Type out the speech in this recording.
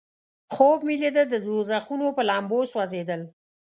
خوب مې لیده د دوزخونو په لمبو سوځیدل.